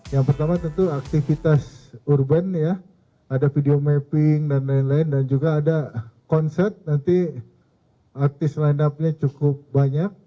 yang pertama tentu aktivitas urban ya ada video mapping dan lain lain dan juga ada konsep nanti artis line up nya cukup banyak